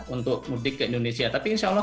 untuk mudik ke indonesia tapi insya allah